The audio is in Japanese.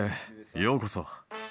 ようこそ。